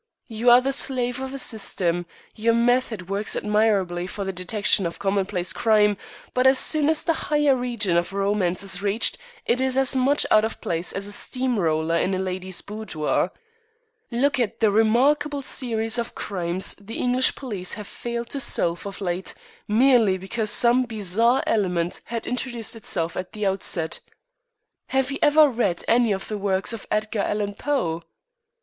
You are the slave of a system. Your method works admirably for the detection of commonplace crime, but as soon as the higher region of romance is reached it is as much out of place as a steam roller in a lady's boudoir. Look at the remarkable series of crimes the English police have failed to solve of late, merely because some bizarre element had intruded itself at the outset. Have you ever read any of the works of Edgar Allan Poe?"